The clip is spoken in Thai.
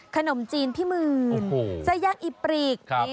ขนมจีนพี่หมื่นใส่ยักร์อีปรีก